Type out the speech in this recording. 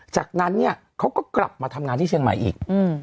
จากนั้นเนี่ยเขาก็กลับมาทำงานที่เชียงใหม่อีก